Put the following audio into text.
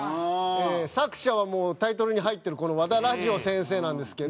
作者はタイトルに入ってるこの和田ラヂヲ先生なんですけど。